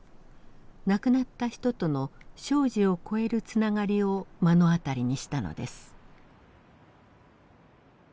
亡くなった人との生死を超えるつながりを目の当たりにしたのです。